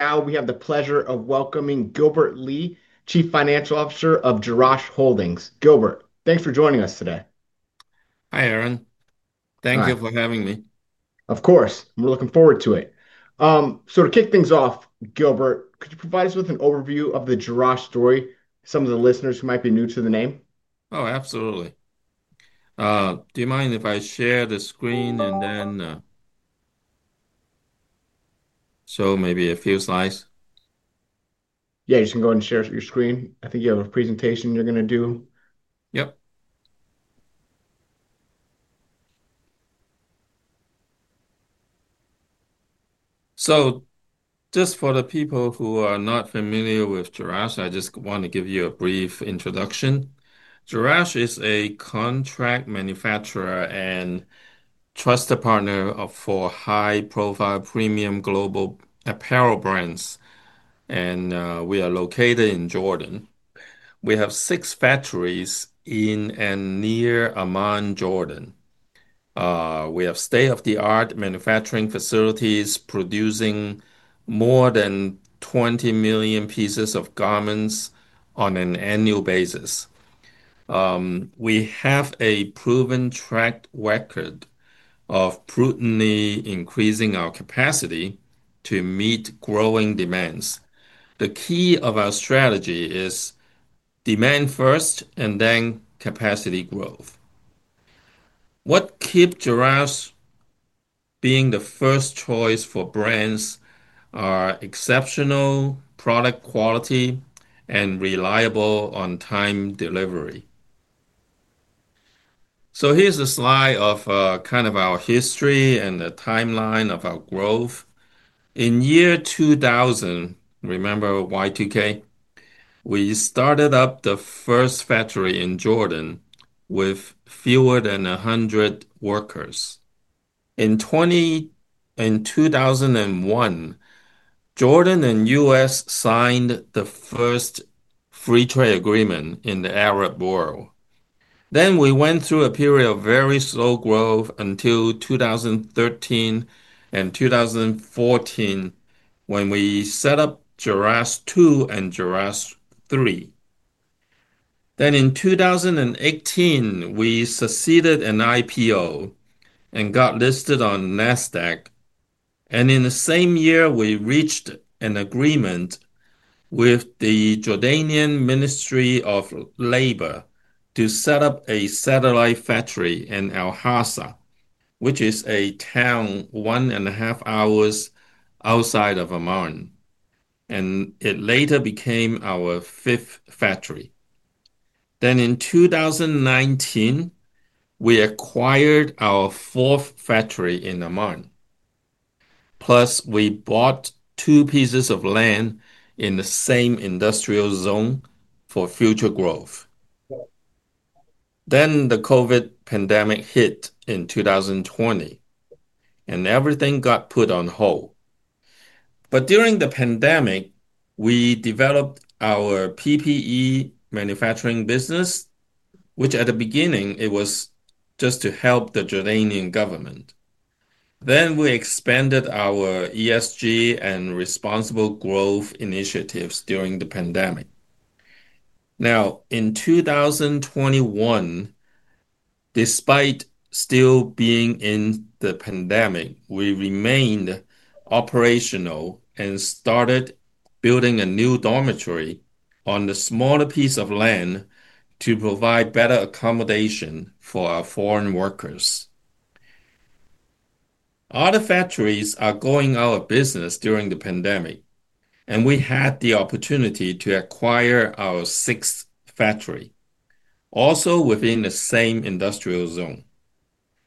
Now we have the pleasure of welcoming Gilbert Lee, Chief Financial Officer of Jerash Holdings. Gilbert, thanks for joining us today. Hi, Aaron. Thank you for having me. Of course, we're looking forward to it. To kick things off, Gilbert, could you provide us with an overview of the Jerash story for some of the listeners who might be new to the name? Oh, absolutely. Do you mind if I share the screen and then show maybe a few slides? Yeah, you can go ahead and share your screen. I think you have a presentation you're going to do. Yep. Just for the people who are not familiar with Jerash, I just want to give you a brief introduction. Jerash is a contract manufacturer and trusted partner for high-profile premium global apparel brands, and we are located in Jordan. We have six factories in and near Amman, Jordan. We have state-of-the-art manufacturing facilities producing more than 20 million pieces of garments on an annual basis. We have a proven track record of prudently increasing our capacity to meet growing demands. The key of our strategy is demand first and then capacity growth. What keeps Jerash being the first choice for brands is exceptional product quality and reliable on-time delivery. Here's a slide of kind of our history and the timeline of our growth. In year 2000, remember Y2K, we started up the first factory in Jordan with fewer than 100 workers. In 2001, Jordan and the U.S.signed the first free trade agreement in the Arab world. We went through a period of very slow growth until 2013 and 2014 when we set up Jerash 2 and Jerash 3. In 2018, we succeeded an IPO and got listed on NASDAQ. In the same year, we reached an agreement with the Jordanian Ministry of Labor to set up a satellite factory in Al-Hasa, which is a town one and a half hours outside of Amman, and it later became our fifth factory. In 2019, we acquired our fourth factory in Amman, plus we bought two pieces of land in the same industrial zone for future growth. The COVID pandemic hit in 2020, and everything got put on hold. During the pandemic, we developed our PPE manufacturing business, which at the beginning was just to help the Jordanian government. We expanded our ESG and responsible growth initiatives during the pandemic. In 2021, despite still being in the pandemic, we remained operational and started building a new dormitory on a smaller piece of land to provide better accommodation for our foreign workers. Other factories are going out of business during the pandemic, and we had the opportunity to acquire our sixth factory, also within the same industrial zone.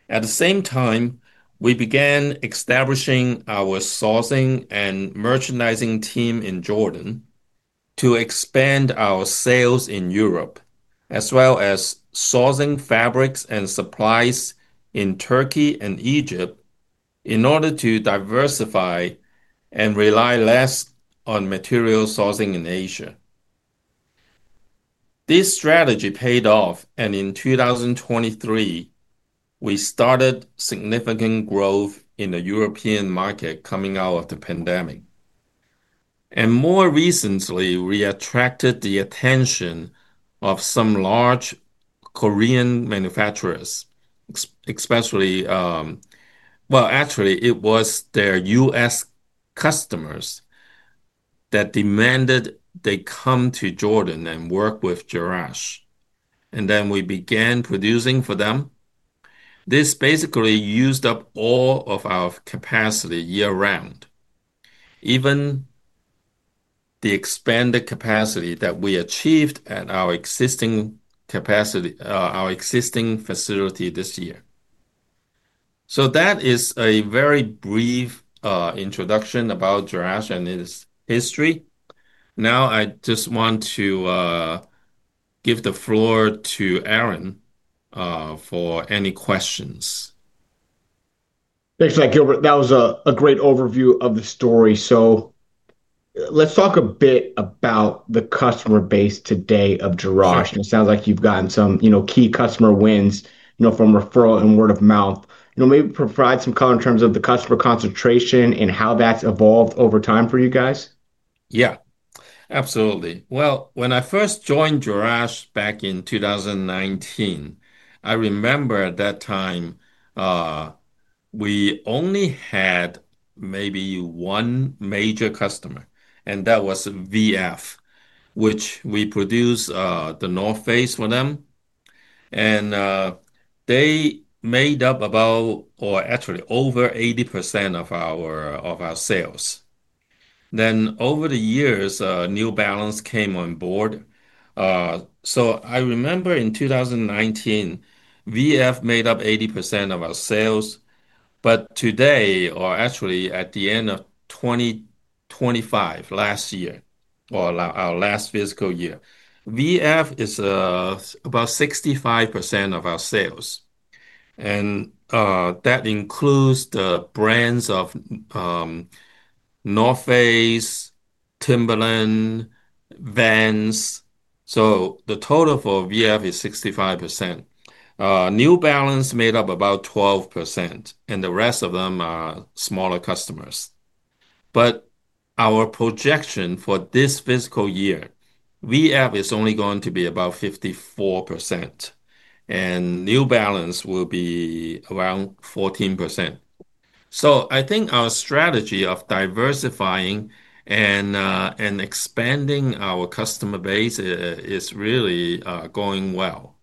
At the same time, we began establishing our sourcing and merchandising team in Jordan to expand our sales in Europe, as well as sourcing fabrics and supplies in Turkey and Egypt in order to diversify and rely less on material sourcing in Asia. This strategy paid off, and in 2023, we started significant growth in the European market coming out of the pandemic. More recently, we attracted the attention of some large Korean manufacturers. Actually, it was their U.S. customers that demanded they come to Jordan and work with Jerash. We began producing for them. This basically used up all of our capacity year-round, even the expanded capacity that we achieved at our existing facility this year. That is a very brief introduction about Jerash and its history. I just want to give the floor to Aaron for any questions. Thanks, Gilbert. That was a great overview of the story. Let's talk a bit about the customer base today of Jerash. It sounds like you've gotten some key customer wins from referral and word of mouth. Maybe provide some color in terms of the customer concentration and how that's evolved over time for you guys. Yeah, absolutely. When I first joined Jerash back in 2019, I remember at that time, we only had maybe one major customer, and that was VF, which we produced The North Face for them. They made up about, or actually over 80% of our sales. Over the years, New Balance came on board. I remember in 2019, VF made up 80% of our sales. Today, or actually at the end of 2025, last year, or our last fiscal year, VF is about 65% of our sales. That includes the brands of The North Face, Timberland, Vans. The total for VF is 65%. New Balance made up about 12%, and the rest of them are smaller customers. Our projection for this fiscal year, VF is only going to be about 54%, and New Balance will be around 14%. I think our strategy of diversifying and expanding our customer base is really going well.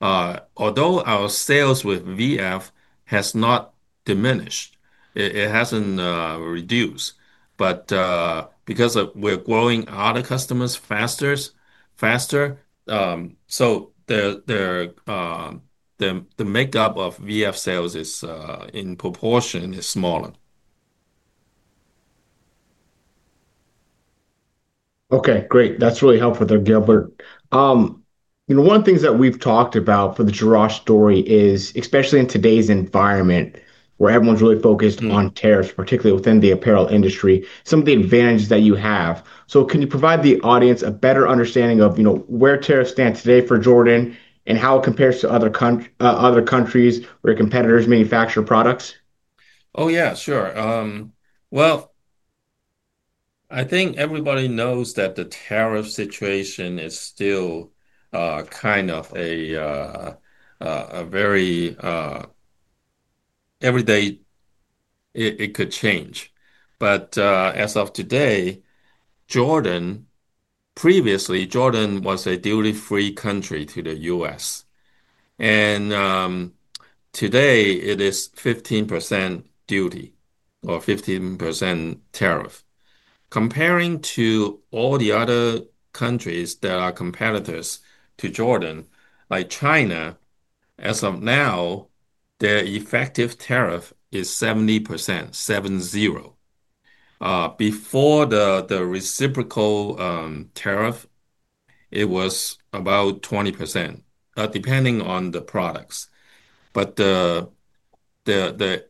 Although our sales with VF have not diminished, it hasn't reduced. Because we're growing other customers faster, the makeup of VF sales in proportion is smaller. Okay, great. That's really helpful there, Gilbert. You know, one of the things that we've talked about for the Jerash story is, especially in today's environment where everyone's really focused on tariffs, particularly within the apparel industry, some of the advantages that you have. Can you provide the audience a better understanding of, you know, where tariffs stand today for Jordan and how it compares to other countries where competitors manufacture products? Oh, yeah, sure. I think everybody knows that the tariff situation is still kind of a very everyday. It could change. As of today, Jordan previously, Jordan was a duty-free country to the U.S. Today, it is 15% duty or 15% tariff. Comparing to all the other countries that are competitors to Jordan, like China, as of now, their effective tariff is 70%, seven-zero. Before the reciprocal tariff, it was about 20%, depending on the products. The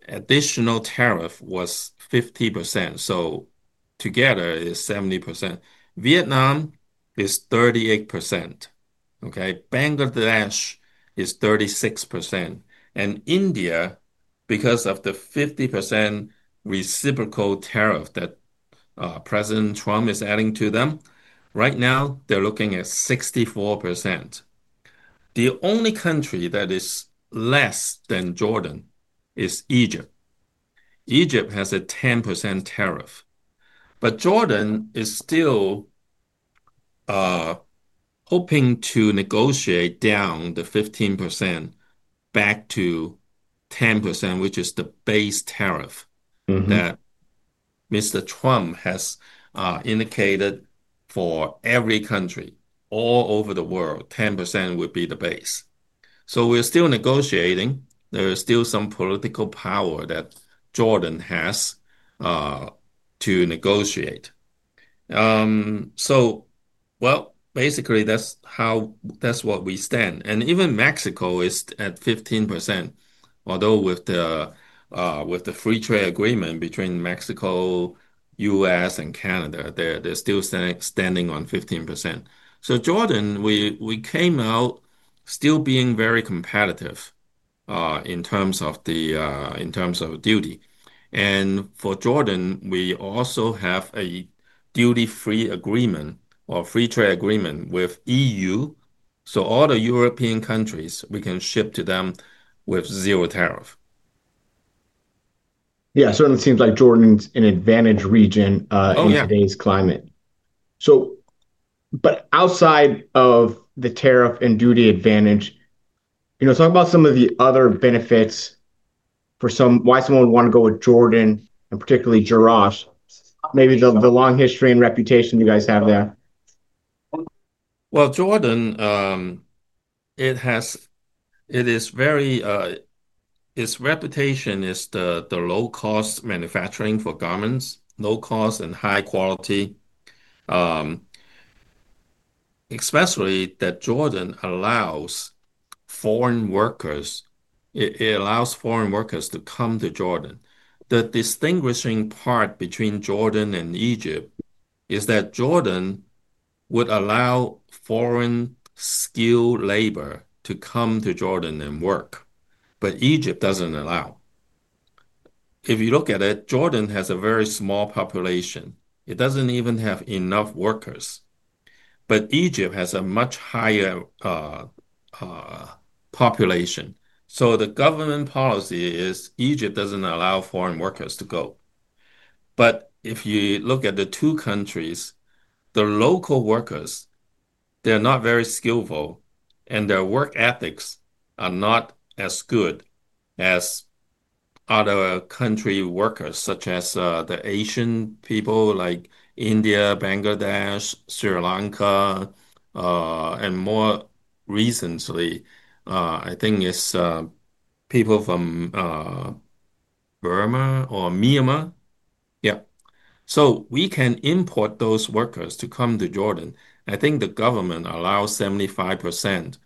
additional tariff was 50%. Together, it's 70%. Vietnam is 38%. Okay, Bangladesh is 36%. India, because of the 50% reciprocal tariff that President Trump is adding to them, right now they're looking at 64%. The only country that is less than Jordan is Egypt. Egypt has a 10% tariff. Jordan is still hoping to negotiate down the 15% back to 10%, which is the base tariff that Mr. Trump has indicated for every country all over the world. 10% would be the base. We're still negotiating. There is still some political power that Jordan has to negotiate. Basically, that's how that's what we stand. Even Mexico is at 15%. Although with the free trade agreement between Mexico, U.S., and Canada, they're still standing on 15%. Jordan, we came out still being very competitive in terms of duty. For Jordan, we also have a duty-free agreement or free trade agreement with EU. All the European countries, we can ship to them with zero tariff. Yeah, certainly seems like Jordan's an advantage region in today's climate. Outside of the tariff and duty advantage, you know, talk about some of the other benefits for some, why someone would want to go with Jordan and particularly Jerash. Maybe the long history and reputation you guys have there. Jordan has... It is very... Its reputation is the low-cost manufacturing for garments, low-cost and high-quality. Especially that Jordan allows foreign workers... It allows foreign workers to come to Jordan. The distinguishing part between Jordan and Egypt is that Jordan would allow foreign skilled labor to come to Jordan and work. Egypt doesn't allow. If you look at it, Jordan has a very small population. It doesn't even have enough workers. Egypt has a much higher population. The government policy is Egypt doesn't allow foreign workers to go. If you look at the two countries, the local workers, they're not very skillful, and their work ethics are not as good as other country workers, such as the Asian people like India, Bangladesh, Sri Lanka, and more recently, I think it's people from Burma or Myanmar. Yeah. We can import those workers to come to Jordan. I think the government allows 75%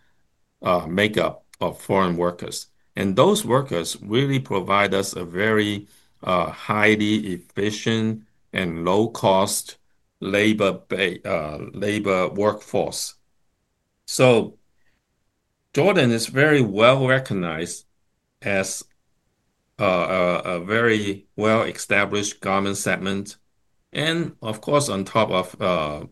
makeup of foreign workers. Those workers really provide us a very highly efficient and low-cost labor workforce. Jordan is very well recognized as a very well-established garment segment. Of course, on top of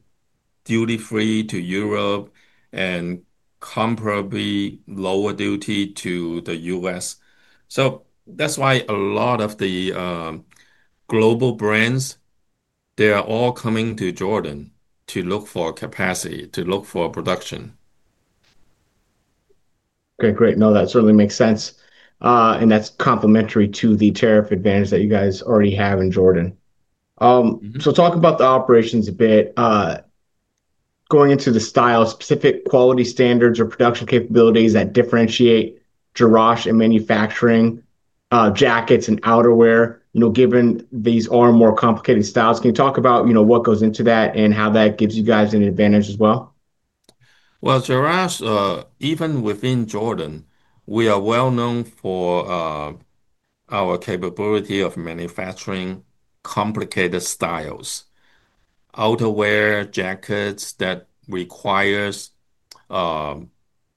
duty-free to Europe and comparably lower duty to the U.S. That's why a lot of the global brands, they are all coming to Jordan to look for capacity, to look for production. Okay, great. No, that certainly makes sense. That's complimentary to the tariff advantage that you guys already have in Jordan. Talk about the operations a bit. Going into the style, specific quality standards or production capabilities that differentiate Jerash and manufacturing jackets and outerwear, given these are more complicated styles. Can you talk about what goes into that and how that gives you guys an advantage as well? Jerash, even within Jordan, is well known for our capability of manufacturing complicated styles, outerwear jackets that require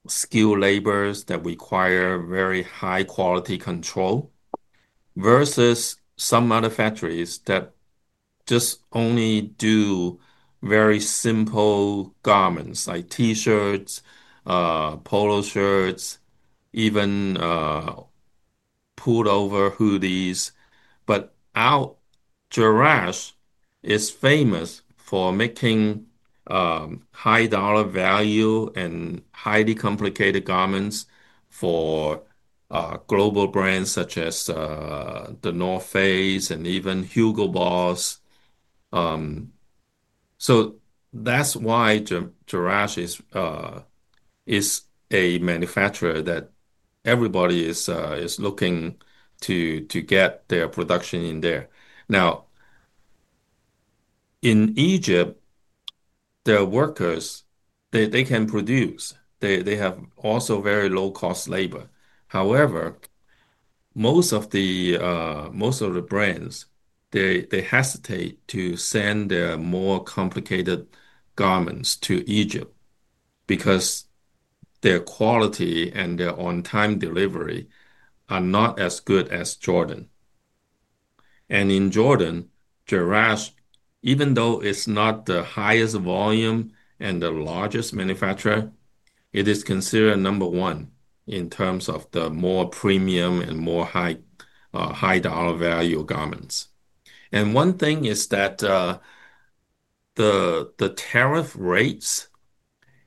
skilled laborers and very high-quality control versus some manufacturers that just do very simple garments like t-shirts, polo shirts, even pullover hoodies. Jerash is famous for making high dollar value and highly complicated garments for global brands such as The North Face and even HUGO BOSS. That's why Jerash is a manufacturer that everybody is looking to get their production in. In Egypt, their workers can produce. They have also very low-cost labor. However, most of the brands hesitate to send their more complicated garments to Egypt because their quality and their on-time delivery are not as good as Jordan. In Jordan, Jerash, even though it's not the highest volume and the largest manufacturer, is considered number one in terms of the more premium and more high dollar value garments. One thing is that the tariff rates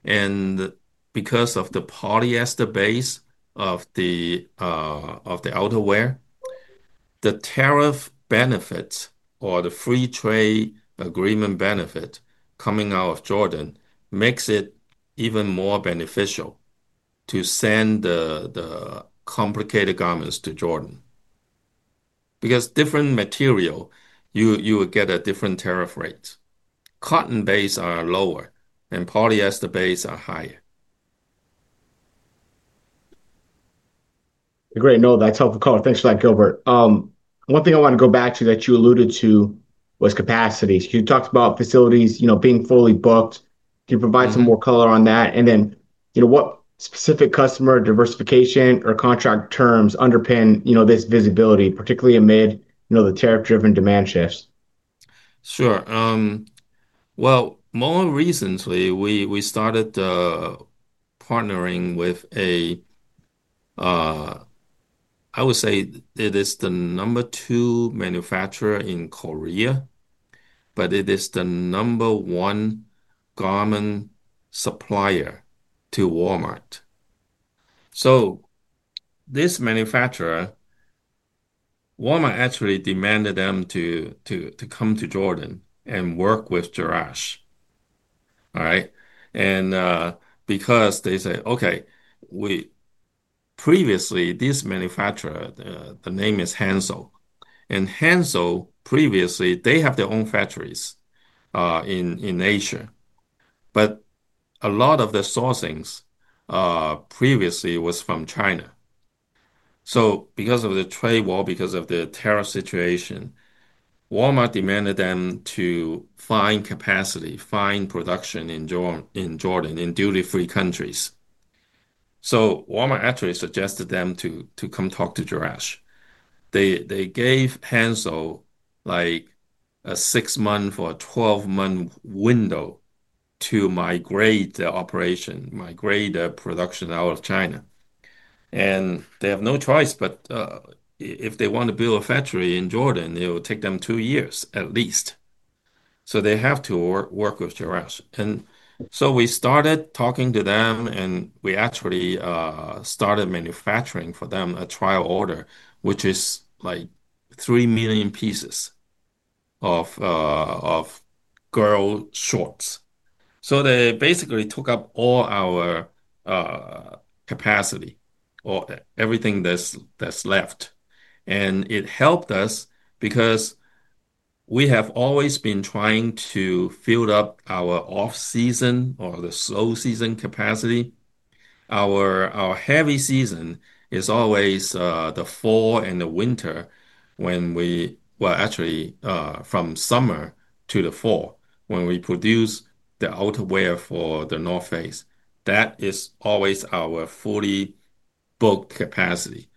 and because of the polyester base of the outerwear, the tariff benefits or the free trade agreement benefit coming out of Jordan makes it even more beneficial to send the complicated garments to Jordan. Different material gets a different tariff rate. Cotton base are lower and polyester base are higher. Great. No, that's helpful. Thanks for that, Gilbert. One thing I want to go back to that you alluded to was capacity. You talked about facilities being fully booked. Can you provide some more color on that? What specific customer diversification or contract terms underpin this visibility, particularly amid the tariff-driven demand shifts? Sure. More recently, we started partnering with, I would say, it is the number two manufacturer in Korea, but it is the number one garment supplier to Walmart. This manufacturer, Walmart actually demanded them to come to Jordan and work with Jerash. They said, okay, previously, this manufacturer, the name is Hansae. Hansae, previously, had their own factories in Asia, but a lot of the sourcing previously was from China. Because of the trade war, because of the tariff situation, Walmart demanded them to find capacity, find production in Jordan, in duty-free countries. Walmart actually suggested them to come talk to Jerash. They gave Hansae like a six-month or 12-month window to migrate the operation, migrate the production out of China. They have no choice, but if they want to build a factory in Jordan, it will take them two years at least. They have to work with Jerash. We started talking to them, and we actually started manufacturing for them a trial order, which is like three million pieces of girl shorts. They basically took up all our capacity, or everything that's left. It helped us because we have always been trying to fill up our off-season or the slow season capacity. Our heavy season is always the fall and the winter, actually from summer to the fall, when we produce the outerwear for The North Face. That is always our fully booked capacity.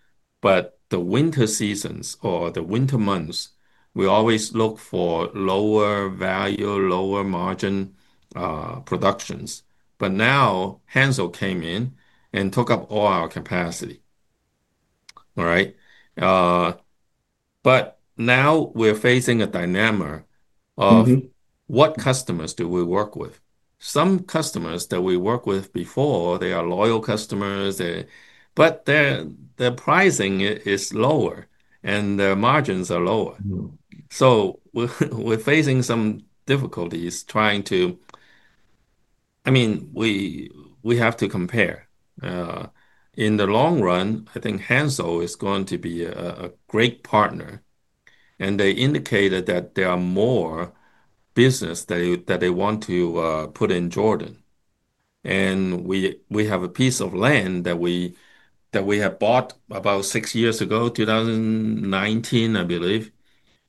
The winter seasons or the winter months, we always look for lower value, lower margin productions. Now Hansae came in and took up all our capacity. Now we're facing a dilemma of what customers do we work with. Some customers that we worked with before, they are loyal customers, but their pricing is lower and their margins are lower. We're facing some difficulties trying to, I mean, we have to compare. In the long run, I think Hansae is going to be a great partner. They indicated that there are more businesses that they want to put in Jordan. We have a piece of land that we have bought about six years ago, 2019, I believe.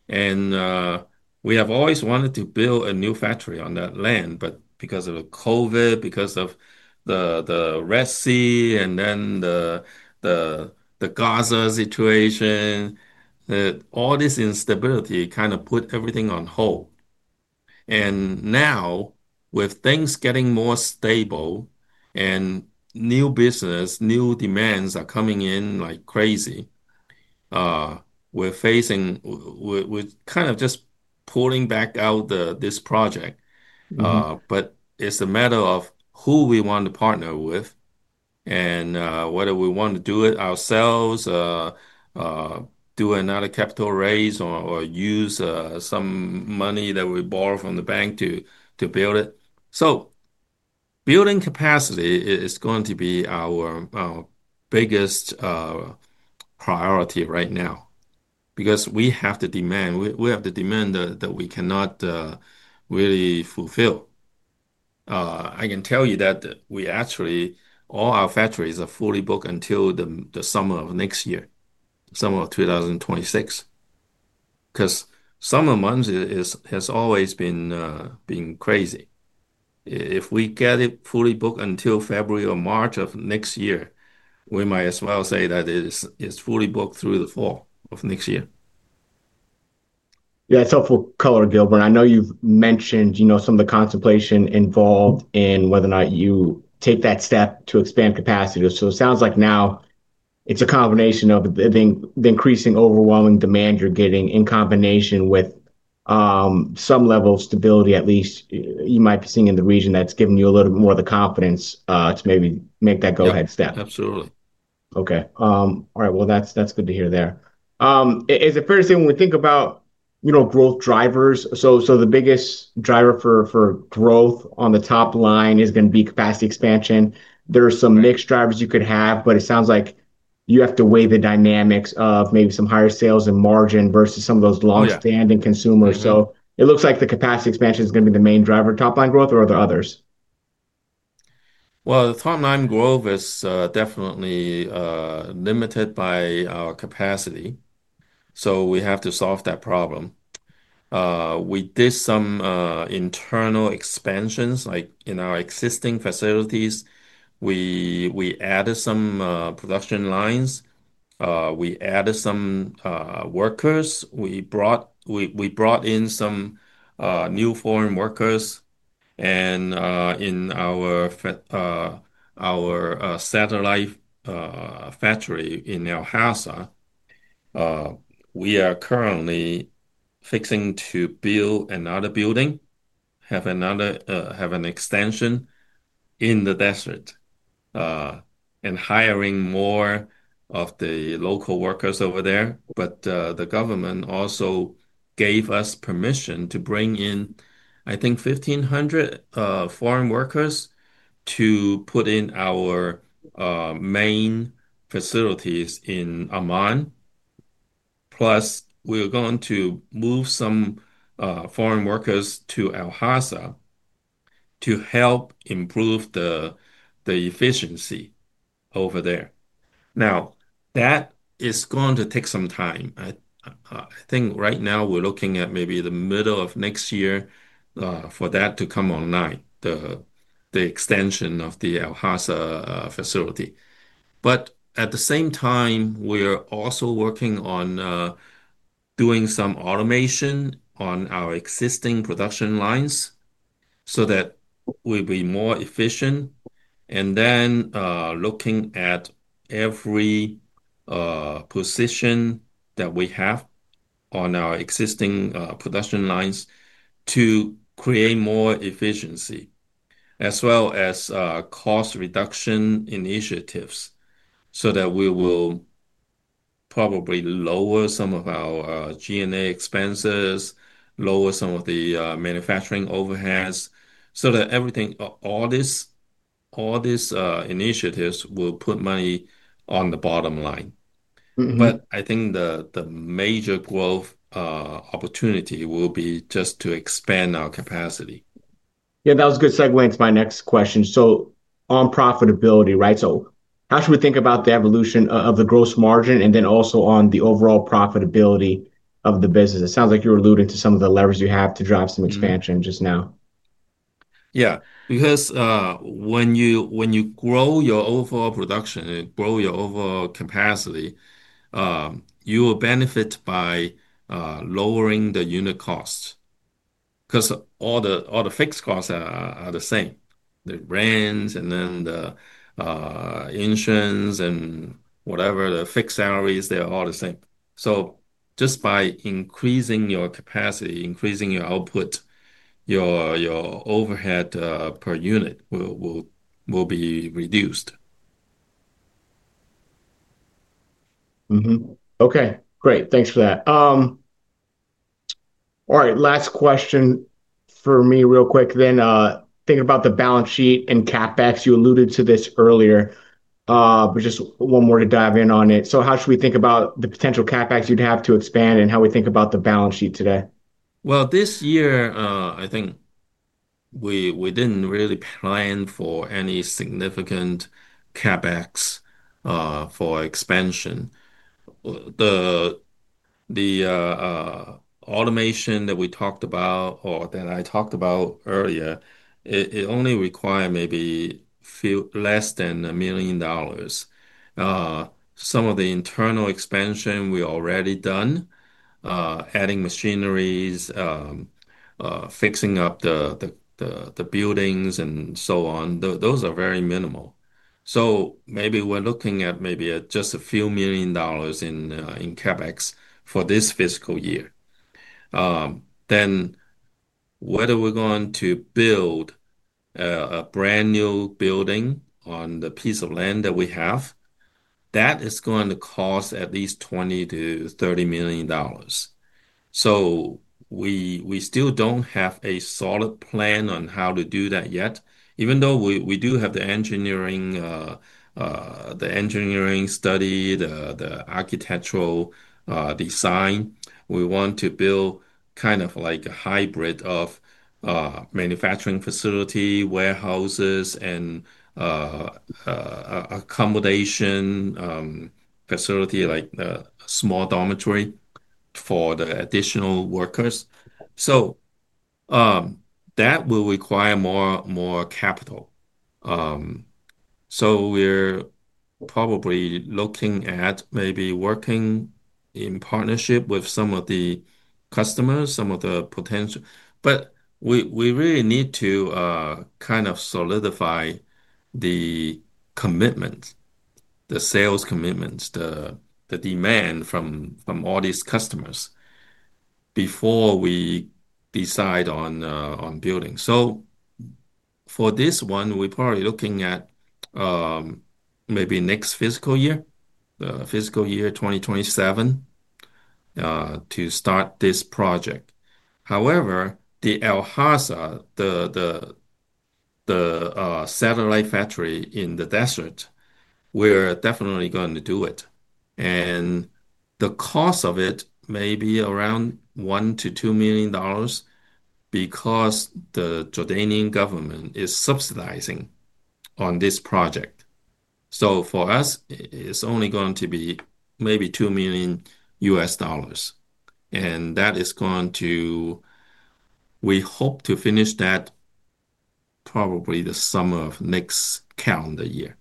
We have always wanted to build a new factory on that land, but because of COVID, because of the Red Sea, and then the Gaza situation, all this instability kind of put everything on hold. Now, with things getting more stable and new business, new demands are coming in like crazy, we're kind of just pulling back out this project. It is a matter of who we want to partner with and whether we want to do it ourselves, do another capital raise, or use some money that we borrow from the bank to build it. Building capacity is going to be our biggest priority right now because we have the demand. We have the demand that we cannot really fulfill. I can tell you that actually, all our factories are fully booked until the summer of next year, summer of 2026. Summer months have always been crazy. If we get it fully booked until February or March of next year, we might as well say that it's fully booked through the fall of next year. Yeah, it's helpful color, Gilbert. I know you've mentioned some of the contemplation involved in whether or not you take that step to expand capacity. It sounds like now it's a combination of the increasing overwhelming demand you're getting in combination with some level of stability, at least you might be seeing in the region, that's given you a little bit more of the confidence to maybe make that go-ahead step. Absolutely. Okay. All right. That's good to hear. Is it fair to say when we think about, you know, growth drivers, the biggest driver for growth on the top line is going to be capacity expansion? There are some mixed drivers you could have, but it sounds like you have to weigh the dynamics of maybe some higher sales and margin versus some of those longstanding consumers. It looks like the capacity expansion is going to be the main driver of top line growth, or are there others? The top line growth is definitely limited by our capacity. We have to solve that problem. We did some internal expansions, like in our existing facilities, we added some production lines, we added some workers, we brought in some new foreign workers. In our satellite factory in Al-Hasa, we are currently fixing to build another building, have another extension in the desert, and hiring more of the local workers over there. The government also gave us permission to bring in, I think, 1,500 foreign workers to put in our main facilities in Amman. Plus, we're going to move some foreign workers to Al-Hasa to help improve the efficiency over there. That is going to take some time. I think right now we're looking at maybe the middle of next year for that to come online, the extension of the Al-Hasa facility. At the same time, we are also working on doing some automation on our existing production lines so that we'll be more efficient. Then looking at every position that we have on our existing production lines to create more efficiency, as well as cost reduction initiatives so that we will probably lower some of our G&A expenses, lower some of the manufacturing overheads. Everything, all these initiatives will put money on the bottom line. I think the major growth opportunity will be just to expand our capacity. Yeah, that was a good segue into my next question. On profitability, right? How should we think about the evolution of the gross margin and then also on the overall profitability of the business? It sounds like you're alluding to some of the levers you have to drive some expansion just now. Yeah, because when you grow your overall production and grow your overall capacity, you will benefit by lowering the unit costs. All the fixed costs are the same. The rent, the insurance, and whatever, the fixed salaries, they're all the same. Just by increasing your capacity, increasing your output, your overhead per unit will be reduced. Okay, great. Thanks for that. All right, last question for me real quick. Thinking about the balance sheet and CapEx, you alluded to this earlier, but just one more to dive in on it. How should we think about the potential CapEx you'd have to expand and how we think about the balance sheet today? This year, I think we didn't really plan for any significant CapEx for expansion. The automation that we talked about or that I talked about earlier, it only required maybe less than $1 million. Some of the internal expansion we already done, adding machineries, fixing up the buildings and so on, those are very minimal. Maybe we're looking at just a few million dollars in CapEx for this fiscal year. Whether we're going to build a brand new building on the piece of land that we have, that is going to cost at least $20 million-$30 million. We still don't have a solid plan on how to do that yet. Even though we do have the engineering study, the architectural design, we want to build kind of like a hybrid of manufacturing facility, warehouses, and accommodation facility, like a small dormitory for the additional workers. That will require more capital. We're probably looking at maybe working in partnership with some of the customers, some of the potential. We really need to kind of solidify the commitment, the sales commitments, the demand from all these customers before we decide on building. For this one, we're probably looking at maybe next fiscal year, the fiscal year 2027, to start this project. However, the Al-Hasa, the satellite factory in the desert, we're definitely going to do it. The cost of it may be around $1 million-$2 million because the Jordanian government is subsidizing on this project. For us, it's only going to be maybe $2 million U.S. dollars. That is going to, we hope to finish that probably the summer of next calendar year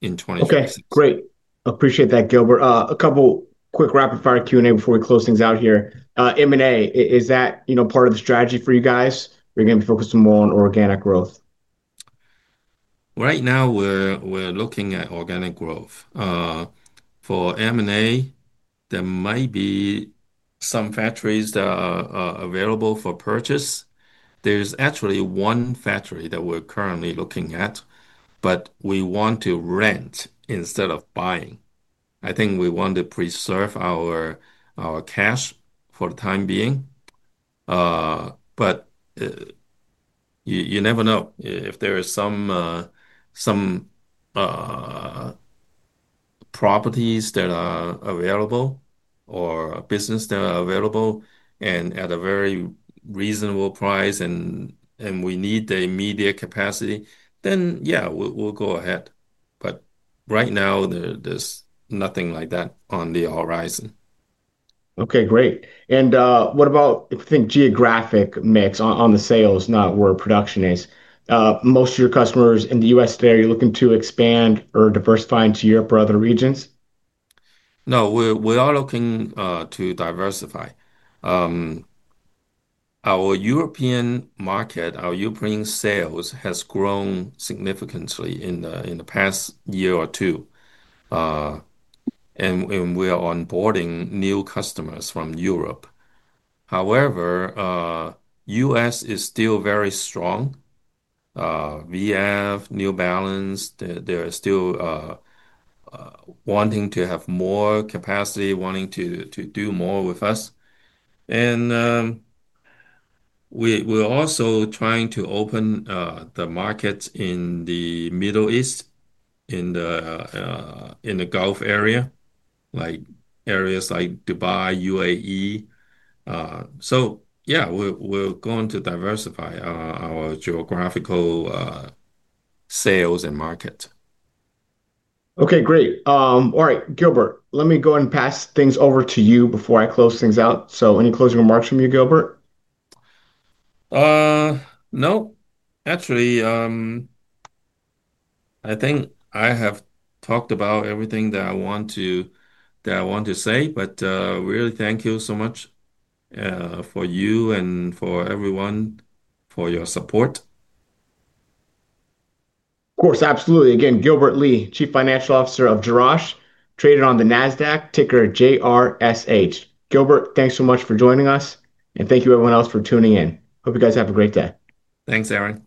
in 2026. Okay, great. Appreciate that, Gilbert. A couple quick rapid-fire Q&A before we close things out here. M&A, is that, you know, part of the strategy for you guys? Or are you going to be focusing more on organic growth? Right now, we're looking at organic growth. For M&A, there might be some factories that are available for purchase. There's actually one factory that we're currently looking at, but we want to rent instead of buying. I think we want to preserve our cash for the time being. You never know if there are some properties that are available or businesses that are available and at a very reasonable price and we need the immediate capacity, then yeah, we'll go ahead. Right now, there's nothing like that on the horizon. Okay, great. What about if you think geographic mix on the sales, not where production is? Most of your customers in the U.S. today, are you looking to expand or diversify into Europe or other regions? No, we are looking to diversify. Our European market, our European sales have grown significantly in the past year or two, and we are onboarding new customers from Europe. However, the U.S. is still very strong. VF, New Balance, they're still wanting to have more capacity, wanting to do more with us. We're also trying to open the markets in the Middle East, in the Gulf area, like areas like Dubai, UAE. Yeah, we're going to diversify our geographical sales and markets. Okay, great. All right, Gilbert, let me go ahead and pass things over to you before I close things out. Any closing remarks from you, Gilbert? No, actually, I think I have talked about everything that I want to say, but really thank you so much for you and for everyone for your support. Of course, absolutely. Again, Gilbert Lee, Chief Financial Officer of Jerash, traded on the NASDAQ, ticker JRSH. Gilbert, thanks so much for joining us. Thank you everyone else for tuning in. Hope you guys have a great day. Thanks, Aaron.